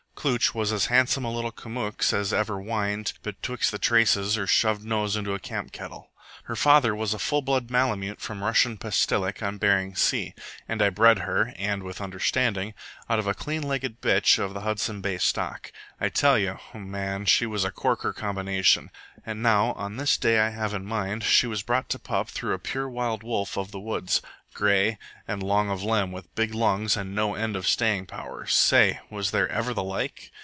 Klooch was as handsome a little KAMOOKS as ever whined betwixt the traces or shoved nose into a camp kettle. Her father was a full blood Malemute from Russian Pastilik on Bering Sea, and I bred her, and with understanding, out of a clean legged bitch of the Hudson Bay stock. I tell you, O man, she was a corker combination. And now, on this day I have in mind, she was brought to pup through a pure wild wolf of the woods grey, and long of limb, with big lungs and no end of staying powers. Say! Was there ever the like?